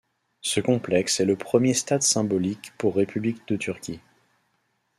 Ce complexe est le premier stade symbolique pour République de Turquie.